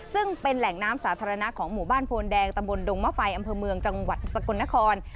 ซึ่งเป็นแหล่งน้ำสาธารณะของหมู่บ้านโพนแดงตำบลดงมะไฟอำเภอเมืองจังหวัดสกลนคร